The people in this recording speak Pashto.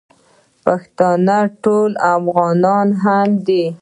پښتانه ټول افغانان هم دي.